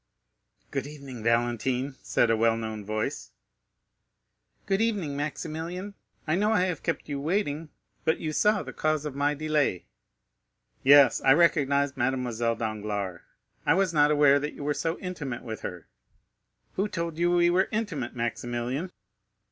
"Good evening, Valentine," said a well known voice. "Good evening, Maximilian; I know I have kept you waiting, but you saw the cause of my delay." "Yes, I recognized Mademoiselle Danglars. I was not aware that you were so intimate with her." "Who told you we were intimate, Maximilian?"